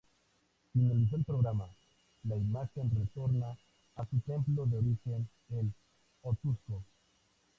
Finalizado el programa, la imagen retorna a su templo de origen, en Otuzco.